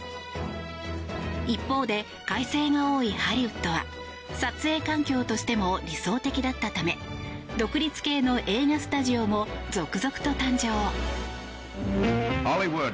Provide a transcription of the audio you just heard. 一方で、快晴が多いハリウッドは撮影環境としても理想的だったため独立系の映画スタジオも続々と誕生。